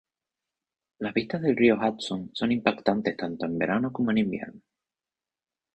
Las vistas del río Hudson son impactantes tanto en verano como en invierno.